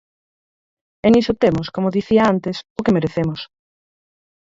E niso temos, como dicía antes, o que merecemos.